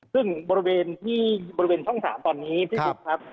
ซึ่งบริเวณที่บริเวณช่อง๓ตอนนี้พี่บุ๊คครับ